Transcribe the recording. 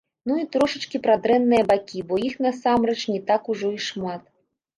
Ну і трошачкі пра дрэнныя бакі, бо іх, насамрэч, не так ужо і шмат.